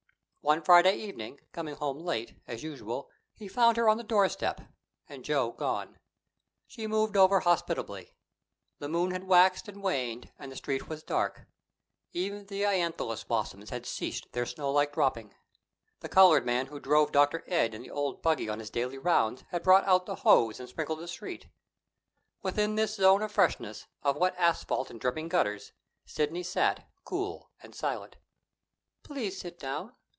One Friday evening, coming home late, as usual, he found her on the doorstep, and Joe gone. She moved over hospitably. The moon had waxed and waned, and the Street was dark. Even the ailanthus blossoms had ceased their snow like dropping. The colored man who drove Dr. Ed in the old buggy on his daily rounds had brought out the hose and sprinkled the street. Within this zone of freshness, of wet asphalt and dripping gutters, Sidney sat, cool and silent. "Please sit down.